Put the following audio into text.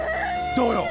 どうよ？